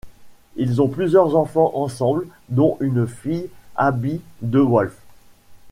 Ils ont plusieurs enfants ensemble, dont une fille, Abby DeWolf.